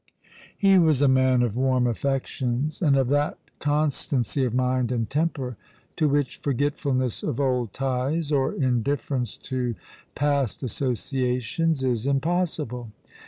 He was a man of warm affections, and of that constancy of mind and temper to which forgetfulness of old ties or indiffer ence to past associations is impossible.